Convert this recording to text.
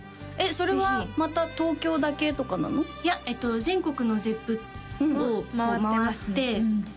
それはまた東京だけとかなの？いや全国のＺｅｐｐを回って回ってます